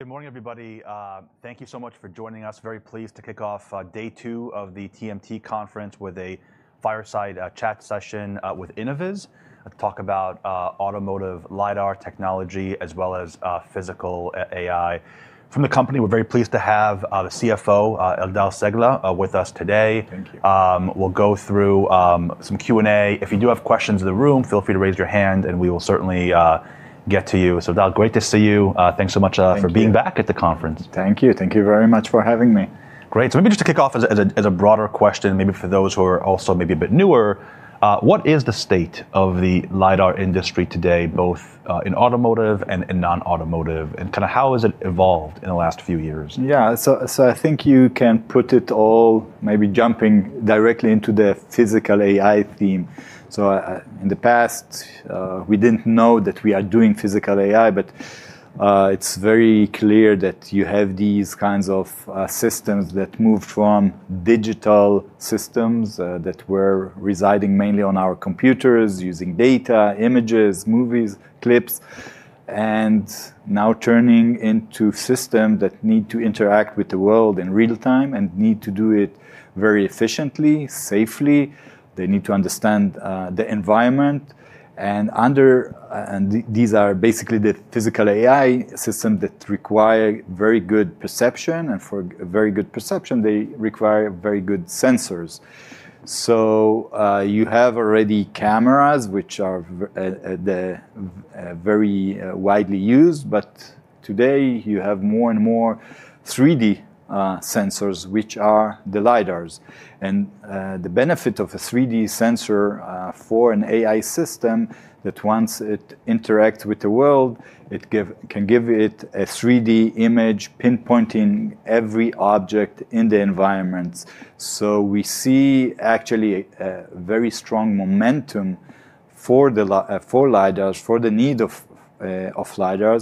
Good morning, everybody. Thank you so much for joining us. Very pleased to kick off day two of the TMT Conference with a fireside chat session with Innoviz to talk about automotive lidar technology, as well as Physical AI. From the company, we're very pleased to have the CFO, Eldar Cegla, with us today. Thank you. We'll go through some Q&A. If you do have questions in the room, feel free to raise your hand, and we will certainly get to you. Eldar, great to see you. Thanks so much. Thank you. for being back at the conference. Thank you. Thank you very much for having me. Great. Maybe just to kick off as a broader question, maybe for those who are also maybe a bit newer, what is the state of the lidar industry today, both in automotive and in non-automotive, and how has it evolved in the last few years? Yeah. I think you can put it all, maybe jumping directly into the Physical AI theme. In the past, we didn't know that we are doing Physical AI, but it's very clear that you have these kinds of systems that moved from digital systems, that were residing mainly on our computers using data, images, movies, clips, and now turning into systems that need to interact with the world in real-time and need to do it very efficiently, safely. They need to understand the environment. These are basically the Physical AI systems that require very good perception. For very good perception, they require very good sensors. You have already cameras, which are very widely used, but today, you have more and more 3D sensors, which are the lidars. The benefit of a 3D sensor for an AI system that once it interacts with the world, it can give it a 3D image, pinpointing every object in the environment. We see actually a very strong momentum for lidar, for the need of lidar.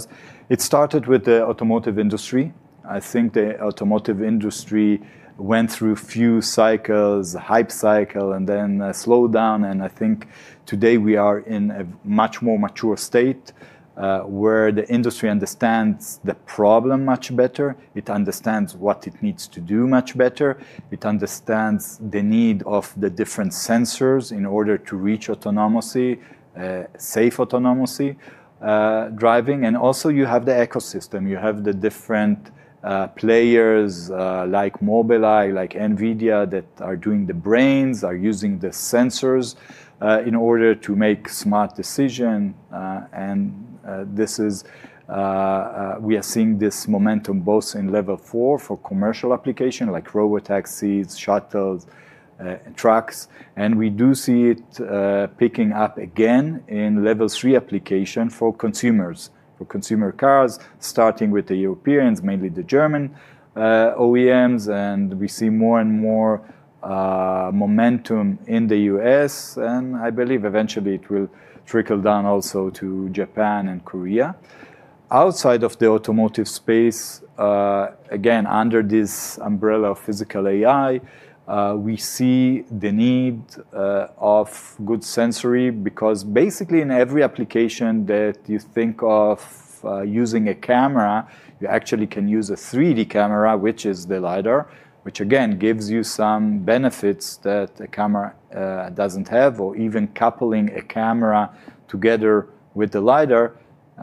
It started with the automotive industry. I think the automotive industry went through a few cycles, a hype cycle, and then a slowdown, and I think today we are in a much more mature state, where the industry understands the problem much better. It understands what it needs to do much better. It understands the need of the different sensors in order to reach autonomy, safe autonomous driving. Also you have the ecosystem. You have the different players, like Mobileye, like NVIDIA, that are doing the brains, are using the sensors in order to make smart decisions. We are seeing this momentum both in Level 4 for commercial application, like robotaxis, shuttles, trucks, and we do see it picking up again in Level 3 application for consumers, for consumer cars, starting with the Europeans, mainly the German OEMs, and we see more and more momentum in the U.S., and I believe eventually it will trickle down also to Japan and Korea. Outside of the automotive space, again, under this umbrella of Physical AI, we see the need of good sensory, because basically in every application that you think of using a camera, you actually can use a 3D camera, which is the lidar, which again gives you some benefits that a camera doesn't have, or even coupling a camera together with the lidar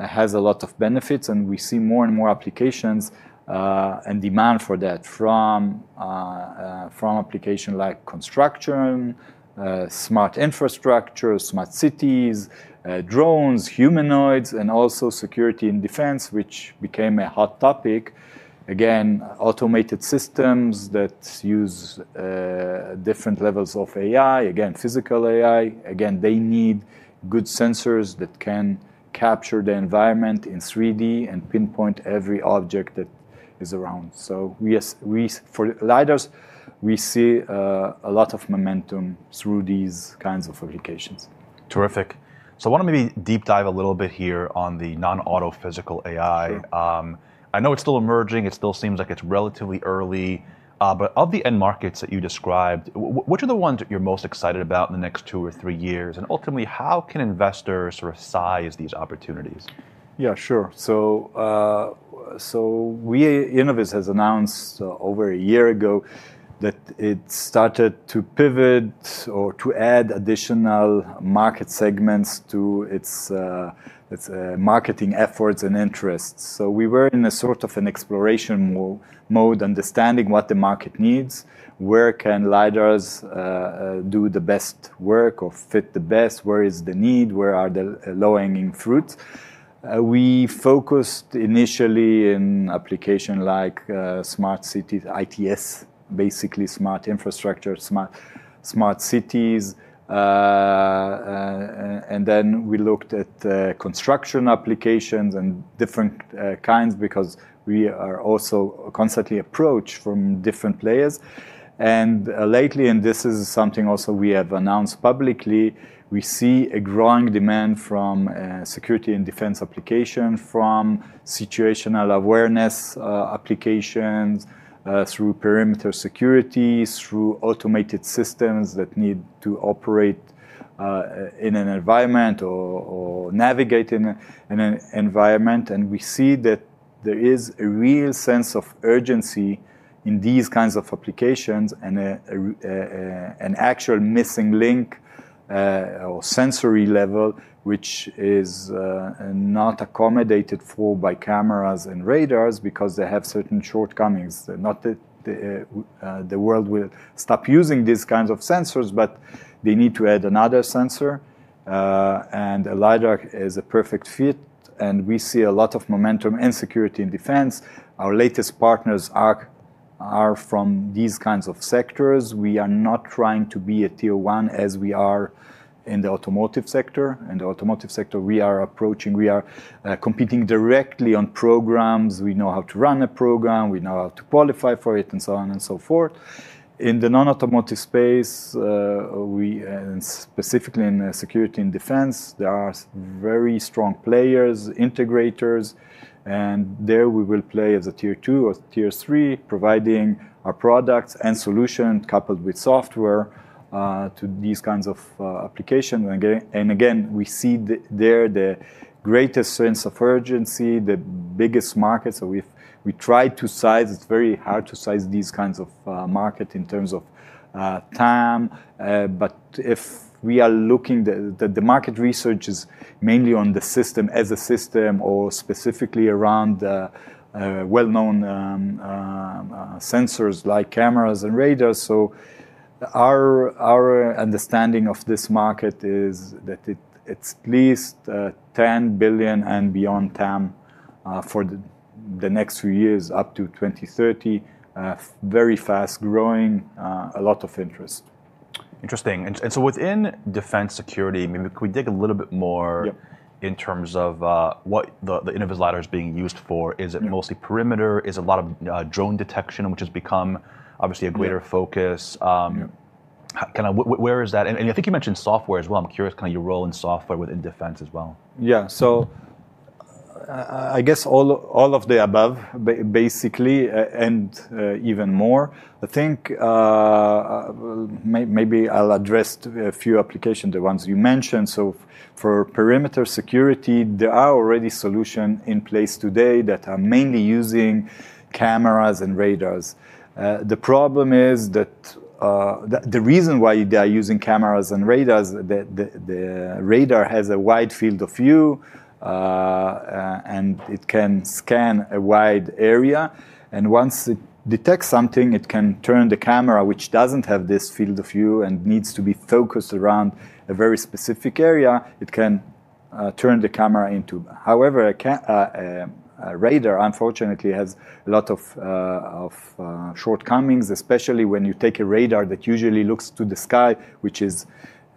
has a lot of benefits, and we see more and more applications and demand for that from application like construction, smart infrastructure, smart cities, drones, humanoids, and also security and defense, which became a hot topic. Again, automated systems that use different levels of AI, again, Physical AI. Again, they need good sensors that can capture the environment in 3D and pinpoint every object that is around. For lidars, we see a lot of momentum through these kinds of applications. Terrific. I want to maybe deep dive a little bit here on the non-auto Physical AI. Sure. I know it's still emerging. It still seems like it's relatively early. Of the end markets that you described, which are the ones that you're most excited about in the next two or three years? Ultimately, how can investors size these opportunities? Yeah, sure. Innoviz has announced over a year ago that it started to pivot or to add additional market segments to its marketing efforts and interests. We were in a sort of an exploration mode, understanding what the market needs. Where can lidar do the best work or fit the best? Where is the need? Where are the low-hanging fruits? We focused initially in application like smart cities, ITS, basically smart infrastructure, smart cities. We looked at construction applications and different kinds because we are also constantly approached from different players. Lately, and this is something also we have announced publicly, we see a growing demand from security and defense application, from situational awareness applications, through perimeter security, through automated systems that need to operate in an environment or navigate in an environment. We see that there is a real sense of urgency in these kinds of applications and an actual missing link or sensory level, which is not accommodated for by cameras and radars because they have certain shortcomings. Not that the world will stop using these kinds of sensors, but they need to add another sensor, and a lidar is a perfect fit, and we see a lot of momentum in security and defense. Our latest partners are from these kinds of sectors. We are not trying to be a Tier 1 as we are in the automotive sector. In the automotive sector, we are competing directly on programs. We know how to run a program, we know how to qualify for it, and so on and so forth. In the non-automotive space, and specifically in security and defense, there are very strong players, integrators, there we will play as a Tier 2 or Tier 3, providing our products and solution coupled with software, to these kinds of application. Again, we see there the greatest sense of urgency, the biggest market. We try to size, it's very hard to size these kinds of market in terms of TAM, but if we are looking, the market research is mainly on the system as a system or specifically around well-known sensors like cameras and radars. Our understanding of this market is that it's at least $10 billion and beyond TAM for the next few years up to 2030. Very fast-growing, a lot of interest. Interesting. Within defense security, maybe could we dig a little bit in terms of what the Innoviz lidar is being used for? Is it mostly perimeter? Is a lot of drone detection, which has become obviously a greater focus? Where is that? I think you mentioned software as well. I'm curious your role in software within defense as well. Yeah. I guess all of the above, basically, and even more. I think, maybe I'll address a few applications, the ones you mentioned. For perimeter security, there are already solutions in place today that are mainly using cameras and radars. The problem is that the reason why they are using cameras and radars, the radar has a wide field of view, and it can scan a wide area, and once it detects something, it can turn the camera, which doesn't have this field of view and needs to be focused around a very specific area. However, a radar unfortunately has a lot of shortcomings, especially when you take a radar that usually looks to the sky, which is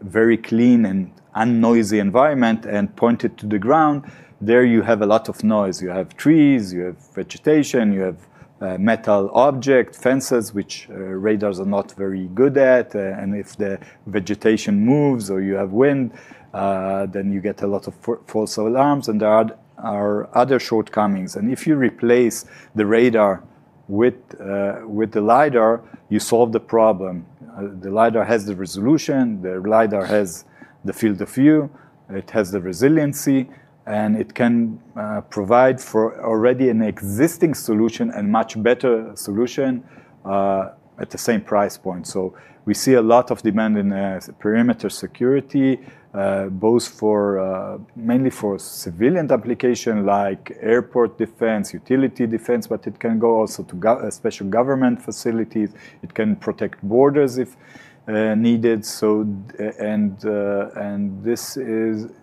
very clean and unnoisy environment, and point it to the ground. There you have a lot of noise. You have trees, you have vegetation, you have metal object, fences, which radars are not very good at. If the vegetation moves or you have wind, then you get a lot of false alarms, and there are other shortcomings. If you replace the radar with the lidar, you solve the problem. The lidar has the resolution, the lidar has the field of view, it has the resiliency, and it can provide for already an existing solution and much better solution, at the same price point. We see a lot of demand in perimeter security, mainly for civilian application like airport defense, utility defense, but it can go also to special government facilities. It can protect borders if needed.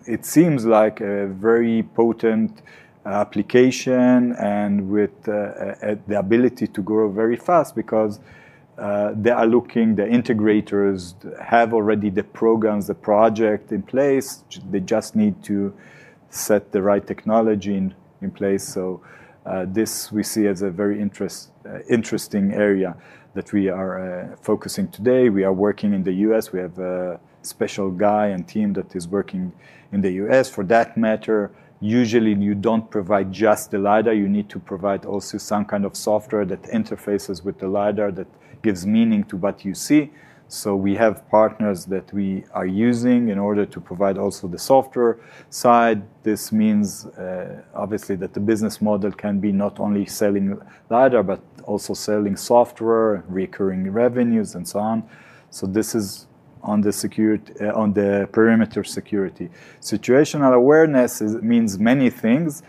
It seems like a very potent application and with the ability to grow very fast because the integrators have already the programs, the project in place. They just need to set the right technology in place. This we see as a very interesting area that we are focusing today. We are working in the U.S. We have a special guy and team that is working in the U.S. for that matter. Usually, you don't provide just the lidar. You need to provide also some kind of software that interfaces with the lidar that gives meaning to what you see. We have partners that we are using in order to provide also the software side. This means, obviously, that the business model can be not only selling lidar, but also selling software, recurring revenues, and so on. This is on the perimeter security. Situational awareness means many things.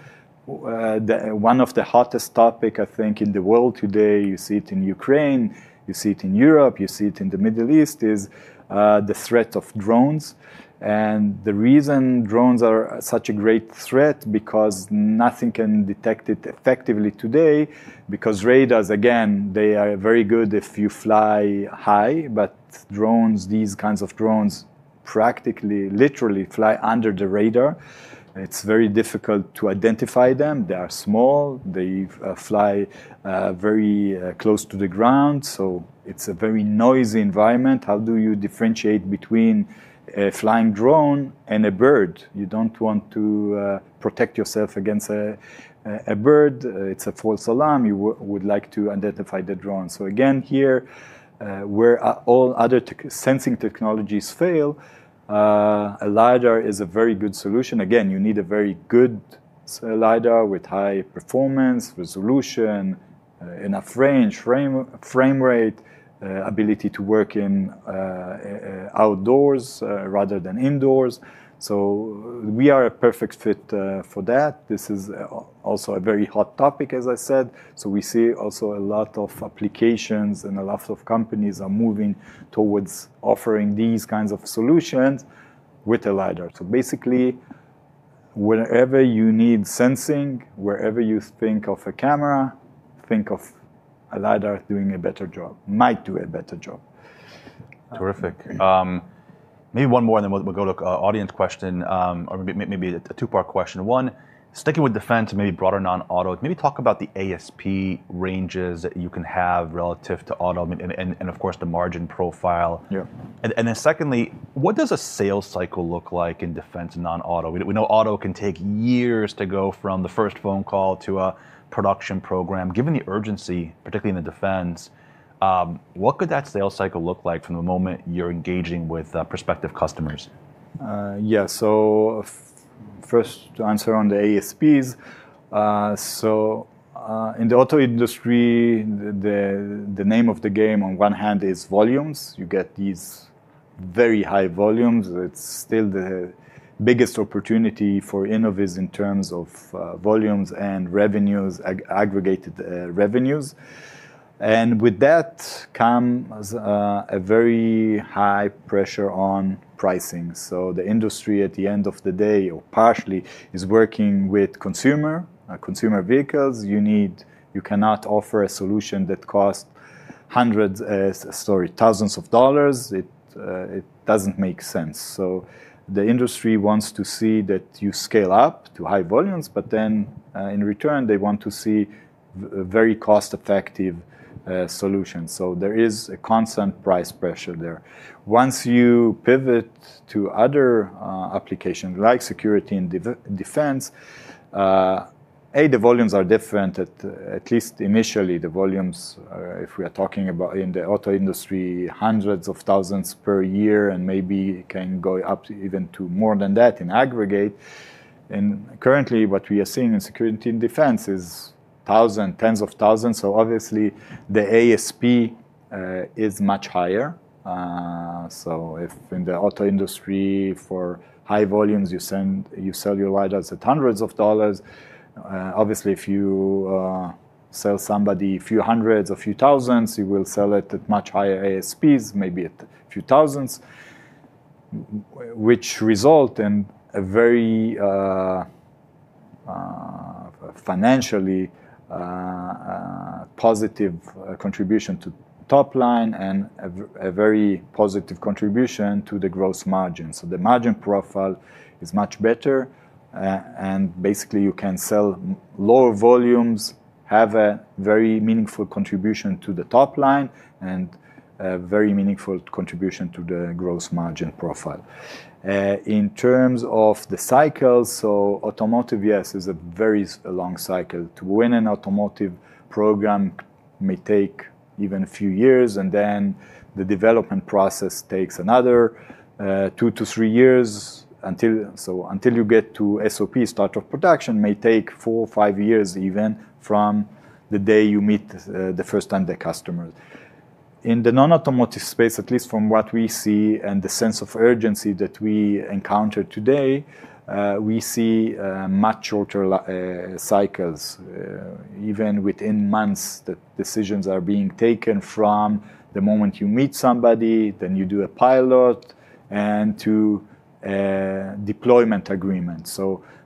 One of the hottest topic, I think, in the world today, you see it in Ukraine, you see it in Europe, you see it in the Middle East, is the threat of drones. The reason drones are such a great threat, because nothing can detect it effectively today, because radars, again, they are very good if you fly high, but these kinds of drones practically literally fly under the radar. It's very difficult to identify them. They are small. They fly very close to the ground, so it's a very noisy environment. How do you differentiate between a flying drone and a bird? You don't want to protect yourself against a bird. It's a false alarm. You would like to identify the drone. Again, here, where all other sensing technologies fail, a lidar is a very good solution. Again, you need a very good lidar with high performance, resolution, enough range, frame rate, ability to work in outdoors rather than indoors. We are a perfect fit for that. This is also a very hot topic, as I said. We see also a lot of applications and a lot of companies are moving towards offering these kinds of solutions with a lidar. Basically, wherever you need sensing, wherever you think of a camera, think of a lidar doing a better job. Might do a better job. Terrific. Maybe one more, and then we'll go to a audience question, or maybe a two-part question. One, sticking with defense, maybe broader non-auto, maybe talk about the ASP ranges that you can have relative to auto, and of course, the margin profile. Secondly, what does a sales cycle look like in defense and non-auto? We know auto can take years to go from the first phone call to a production program. Given the urgency, particularly in the defense, what could that sales cycle look like from the moment you're engaging with prospective customers? First, to answer on the ASPs. In the auto industry, the name of the game on one hand is volumes. You get these very high volumes. It's still the biggest opportunity for Innoviz in terms of volumes and revenues, aggregated revenues. With that comes a very high pressure on pricing. The industry, at the end of the day, or partially, is working with consumer vehicles. You cannot offer a solution that costs hundreds, sorry, thousands of dollars. It doesn't make sense. The industry wants to see that you scale up to high volumes, but then, in return, they want to see very cost-effective solutions. There is a constant price pressure there. Once you pivot to other applications like security and defense, A, the volumes are different, at least initially, the volumes, if we are talking about in the auto industry, hundreds of thousands per year, and maybe can go up to even to more than that in aggregate. Currently, what we are seeing in security and defense is thousands, tens of thousands, so obviously, the ASP is much higher. If in the auto industry, for high volumes, you sell your lidars at hundreds of dollars, obviously, if you sell somebody a few hundreds or few thousands, you will sell it at much higher ASPs, maybe at a few thousands, which result in a very financially positive contribution to top line and a very positive contribution to the gross margin. The margin profile is much better, and basically, you can sell lower volumes, have a very meaningful contribution to the top line, and a very meaningful contribution to the gross margin profile. In terms of the cycles, automotive, yes, is a very long cycle. To win an automotive program may take even a few years, and then the development process takes another two to three years. Until you get to SOP, start of production, may take four or five years even from the day you meet the first time the customer. In the non-automotive space, at least from what we see and the sense of urgency that we encounter today, we see much shorter cycles. Even within months, the decisions are being taken from the moment you meet somebody, then you do a pilot, and to deployment agreement.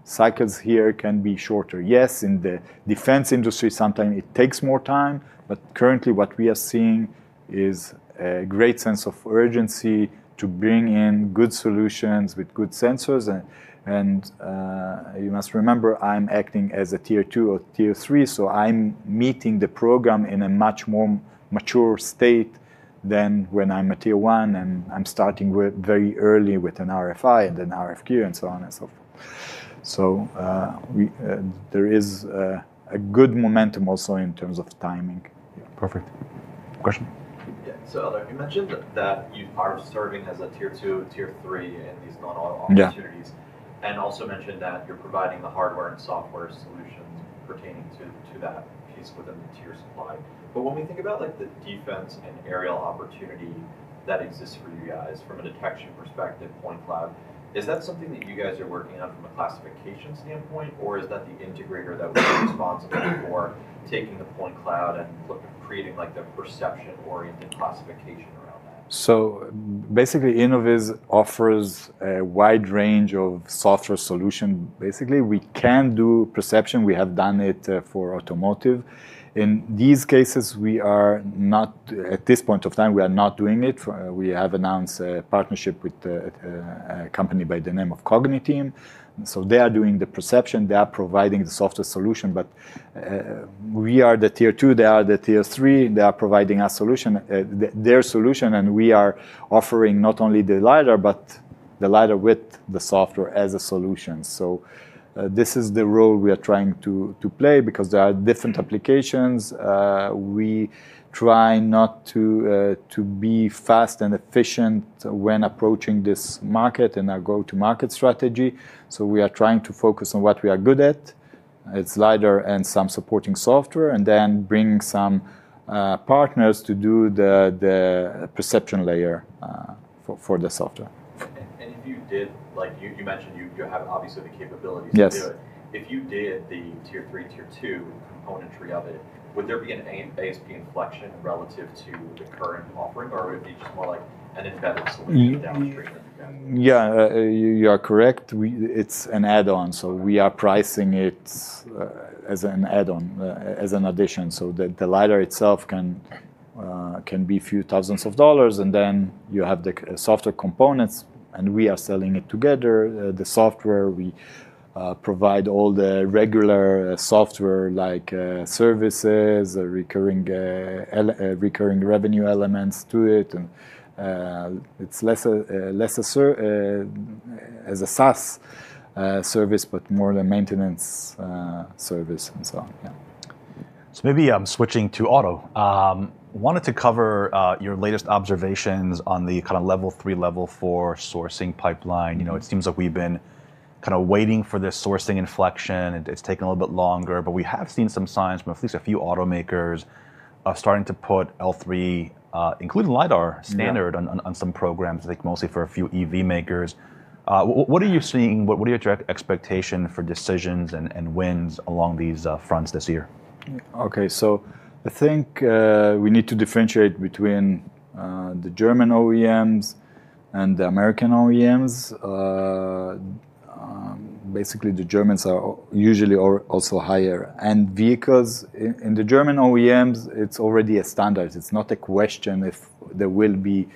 Cycles here can be shorter. Yes, in the defense industry, sometimes it takes more time, but currently what we are seeing is a great sense of urgency to bring in good solutions with good sensors. You must remember, I'm acting as a Tier 2 or Tier 3, so I'm meeting the program in a much more mature state than when I'm a Tier 1, and I'm starting very early with an RFI and an RFQ, and so on and so forth. There is a good momentum also in terms of timing. Perfect. Question? You mentioned that you are serving as a Tier 2, Tier 3 in these non-auto opportunities, and also mentioned that you're providing the hardware and software solutions pertaining to that piece within the tier supply. When we think about the defense and aerial opportunity that exists for you guys from a detection perspective point cloud, is that something that you guys are working on from a classification standpoint, or is that the integrator that would be responsible for taking the point cloud and creating the perception-oriented classification around that? Basically, Innoviz offers a wide range of software solution. Basically, we can do perception. We have done it for automotive. In these cases, at this point of time, we are not doing it. We have announced a partnership with a company by the name of Cogniteam. They are doing the perception. They are providing the software solution, but we are the Tier 2, they are the Tier 3. They are providing their solution, and we are offering not only the lidar, but the lidar with the software as a solution. This is the role we are trying to play because there are different applications. We try not to be fast and efficient when approaching this market in our go-to-market strategy, so we are trying to focus on what we are good at. It's lidar and some supporting software, and then bring some partners to do the perception layer for the software. If you did, you mentioned you have obviously the capabilities to do it. If you did the Tier 3, Tier 2 componentry of it, would there be an ASP inflection relative to the current offering, or would it be just more like an embedded solution downstream? Yeah, you are correct. It's an add-on, so we are pricing it as an add-on, as an addition. The lidar itself can be a few thousands of dollars, and then you have the software components, and we are selling it together. The software, we provide all the regular software, like services, recurring revenue elements to it, and it's less as a SaaS service, but more the maintenance service and so on. Yeah. Maybe switching to auto. Wanted to cover your latest observations on the Level 3, Level 4 sourcing pipeline. It seems like we've been waiting for this sourcing inflection, and it's taken a little bit longer, but we have seen some signs from at least a few automakers starting to put L3, including lidar standard on some programs, I think mostly for a few EV makers. What are you seeing? What are your expectation for decisions and wins along these fronts this year? Okay. I think we need to differentiate between the German OEMs and the American OEMs. Basically, the Germans are usually also higher, and vehicles in the German OEMs, it's already a standard. It's not a question if there will be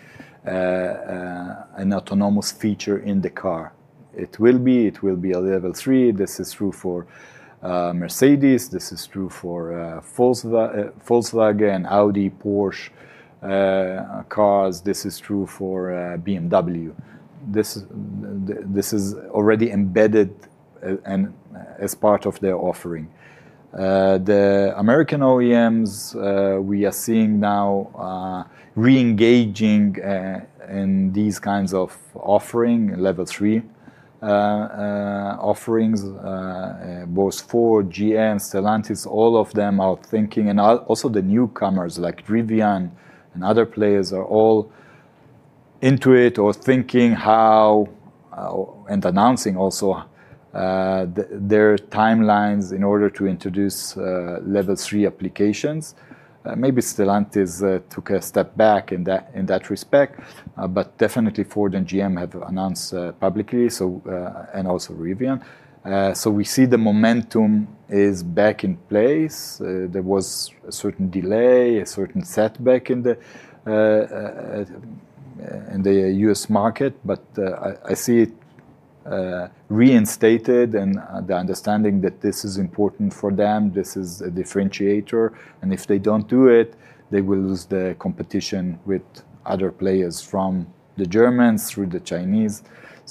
an autonomous feature in the car. It will be a Level 3. This is true for Mercedes, this is true for Volkswagen, Audi, Porsche cars. This is true for BMW. This is already embedded as part of their offering. The American OEMs, we are seeing now reengaging in these kinds of offering, Level 3 offerings, both Ford, GM, Stellantis, all of them are thinking, and also the newcomers like Rivian and other players are all into it or thinking how, and announcing also, their timelines in order to introduce Level 3 applications. Maybe Stellantis took a step back in that respect. Definitely Ford and GM have announced publicly, and also Rivian. We see the momentum is back in place. There was a certain delay, a certain setback in the U.S. market. I see it reinstated, and the understanding that this is important for them. This is a differentiator, and if they don't do it, they will lose the competition with other players from the Germans through the Chinese.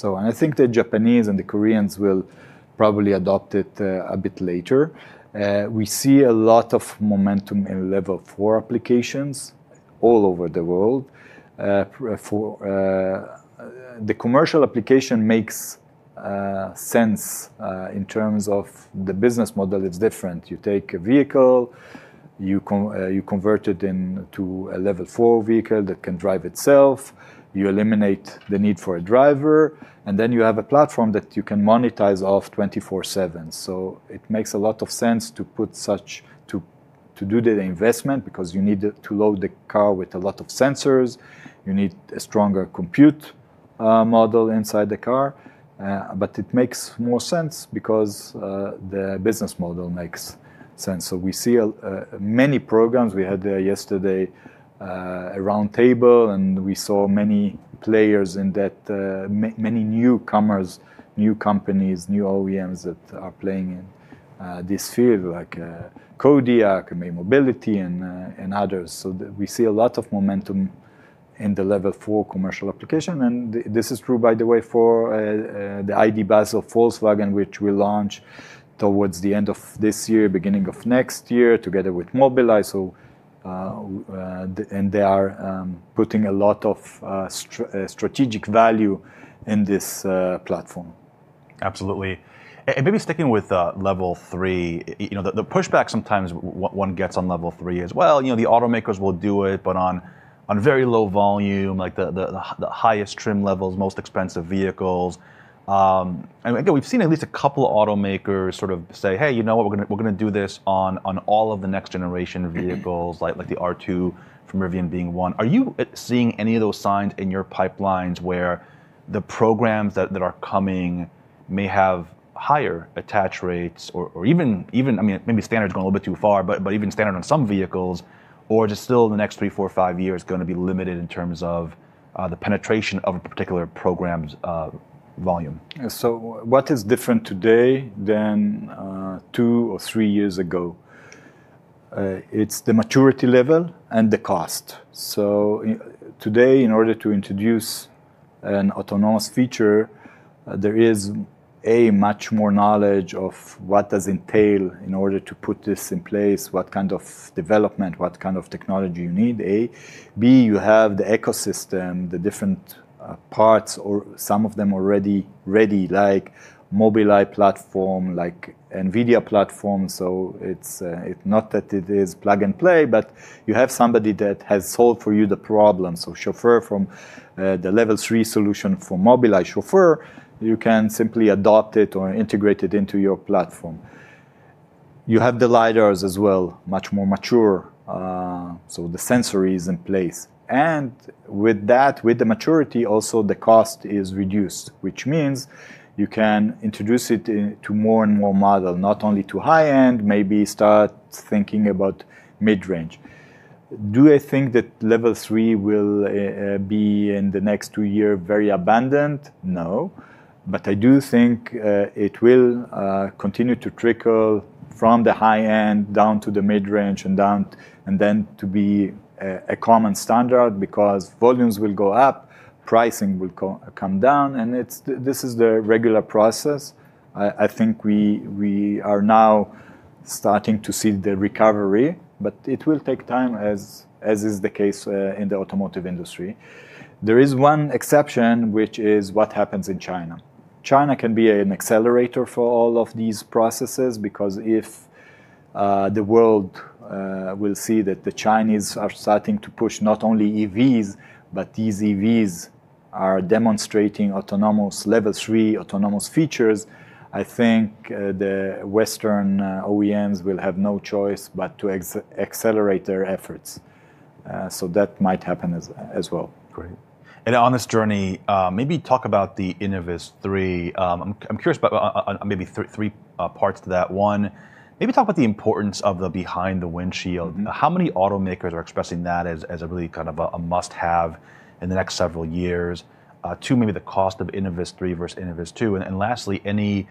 I think the Japanese and the Koreans will probably adopt it a bit later. We see a lot of momentum in Level 4 applications all over the world. The commercial application makes sense in terms of the business model, it's different. You take a vehicle, you convert it into a Level 4 vehicle that can drive itself. You eliminate the need for a driver, and then you have a platform that you can monetize off 24/7. It makes a lot of sense to do the investment because you need to load the car with a lot of sensors. You need a stronger compute model inside the car. It makes more sense because the business model makes sense. We see many programs. We had yesterday, a round table, and we saw many players in that, many newcomers, new companies, new OEMs that are playing in this field, like Kodiak, May Mobility, and others. We see a lot of momentum in the Level 4 commercial application, and this is true, by the way, for the ID. Buzz of Volkswagen, which will launch towards the end of this year, beginning of next year, together with Mobileye, and they are putting a lot of strategic value in this platform. Absolutely. Maybe sticking with Level 3, the pushback sometimes one gets on Level 3 is, well, the automakers will do it, but on very low volume, like the highest trim levels, most expensive vehicles. Again, we've seen at least a couple automakers sort of say, "Hey, you know what? We're going to do this on all of the next generation vehicles," like the R2 from Rivian being one. Are you seeing any of those signs in your pipelines where the programs that are coming may have higher attach rates, or even, maybe standard is going a little bit too far, but even standard on some vehicles, or just still in the next three, four, five years, going to be limited in terms of the penetration of a particular program's volume? What is different today than two or three years ago? It's the maturity level and the cost. Today, in order to introduce an autonomous feature, there is, A, much more knowledge of what does entail in order to put this in place, what kind of development, what kind of technology you need, A. B, you have the ecosystem, the different parts or some of them already ready, like Mobileye platform, like NVIDIA platform. It's not that it is plug and play, but you have somebody that has solved for you the problem. Chauffeur from the Level 3 solution for Mobileye Chauffeur, you can simply adopt it or integrate it into your platform. You have the lidar as well, much more mature, so the sensor is in place. With that, with the maturity, also the cost is reduced, which means you can introduce it into more and more model, not only to high-end, maybe start thinking about mid-range. Do I think that Level 3 will be in the next two year very abundant? No. I do think it will continue to trickle from the high end down to the mid-range, and then to be a common standard because volumes will go up, pricing will come down, and this is the regular process. I think we are now starting to see the recovery, but it will take time, as is the case in the automotive industry. There is one exception, which is what happens in China. China can be an accelerator for all of these processes because if the world will see that the Chinese are starting to push not only EVs, but these EVs are demonstrating Level 3 autonomous features, I think the Western OEMs will have no choice but to accelerate their efforts. That might happen as well. Great. On this journey, maybe talk about the InnovizThree. I am curious about maybe three parts to that. One, maybe talk about the importance of the behind the windshield. How many automakers are expressing that as a really kind of a must-have in the next several years, two, maybe the cost of InnovizThree versus InnovizTwo, and lastly, any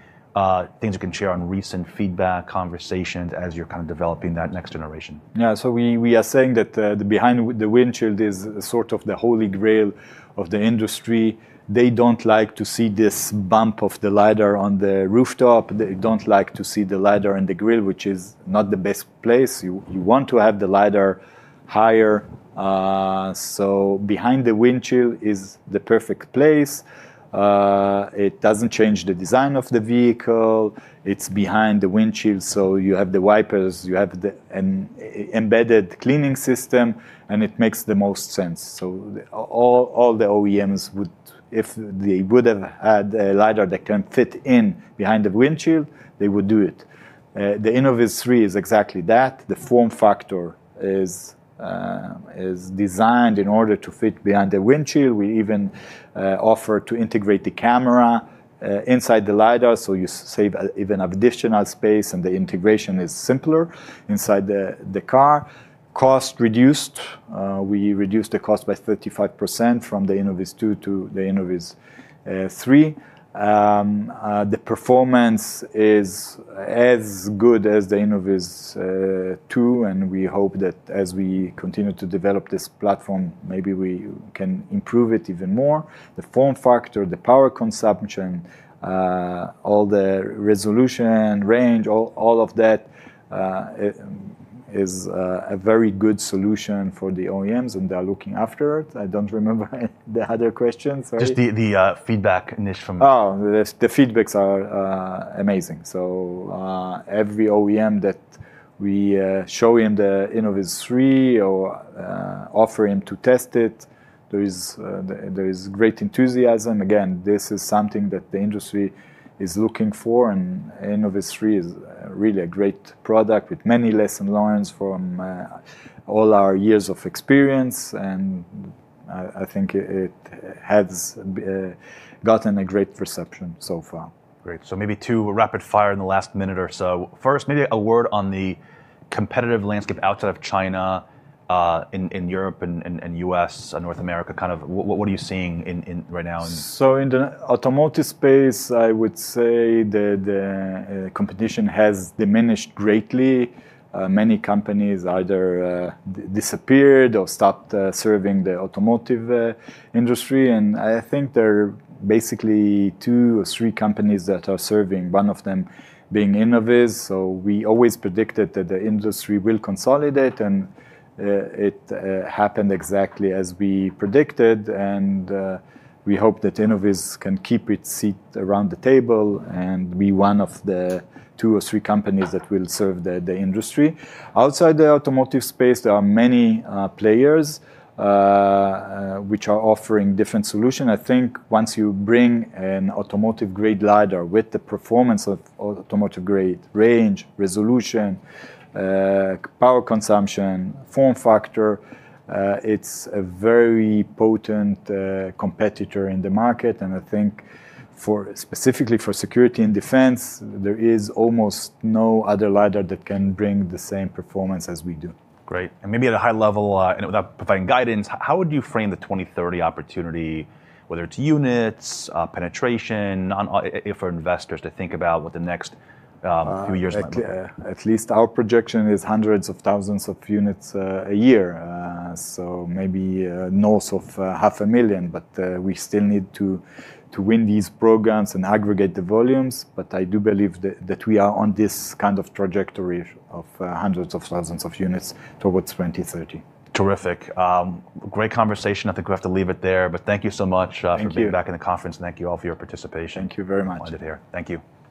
things you can share on recent feedback, conversations as you're kind of developing that next generation? Yeah. We are saying that behind the windshield is sort of the holy grail of the industry. They don't like to see this bump of the lidar on the rooftop. They don't like to see the lidar in the grill, which is not the best place. You want to have the lidar higher. Behind the windshield is the perfect place. It doesn't change the design of the vehicle. It's behind the windshield, so you have the wipers, you have the embedded cleaning system, and it makes the most sense. All the OEMs would, if they would have had a lidar that can fit in behind the windshield, they would do it. The InnovizThree is exactly that. The form factor is designed in order to fit behind the windshield. We even offer to integrate the camera inside the lidar, so you save even additional space, and the integration is simpler inside the car. Cost reduced. We reduced the cost by 35% from the InnovizTwo to the InnovizThree. The performance is as good as the InnovizTwo, and we hope that as we continue to develop this platform, maybe we can improve it even more. The form factor, the power consumption, all the resolution, range, all of that, is a very good solution for the OEMs, and they are looking after it. I don't remember the other questions. Sorry. Just the feedback niche. The feedbacks are amazing. Every OEM that we show him the InnovizThree or offer him to test it, there is great enthusiasm. Again, this is something that the industry is looking for, and InnovizThree is really a great product with many lesson learns from all our years of experience, and I think it has gotten a great perception so far. Great. Maybe two rapid fire in the last minute or so. First, maybe a word on the competitive landscape outside of China, in Europe and U.S. and North America. What are you seeing right now in- In the automotive space, I would say that the competition has diminished greatly. Many companies either disappeared or stopped serving the automotive industry, and I think there are basically two or three companies that are serving, one of them being Innoviz. We always predicted that the industry will consolidate, and it happened exactly as we predicted, and we hope that Innoviz can keep its seat around the table and be one of the two or three companies that will serve the industry. Outside the automotive space, there are many players which are offering different solution. I think once you bring an automotive-grade lidar with the performance of automotive-grade, range, resolution, power consumption, form factor, it's a very potent competitor in the market. I think specifically for security and defense, there is almost no other lidar that can bring the same performance as we do. Great. Maybe at a high level, and without providing guidance, how would you frame the 2030 opportunity, whether it's units, penetration, if our investors to think about what the next few years might look like? At least our projection is hundreds of thousands of units a year. Maybe north of 500,000, but we still need to win these programs and aggregate the volumes, but I do believe that we are on this kind of trajectory of hundreds of thousands of units towards 2030. Terrific. Great conversation. I think we have to leave it there, but thank you so much. Thank you. for being back in the conference, and thank you all for your participation. Thank you very much. Pleasure to have you here. Thank you.